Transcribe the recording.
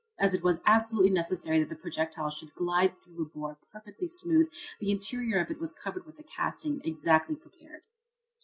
As it was absolutely necessary that the projectile should glide through a bore perfectly smooth the interior of it was covered with a casting exactly prepared.